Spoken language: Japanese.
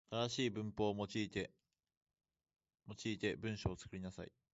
正しい文法を用いて文章を作りなさい。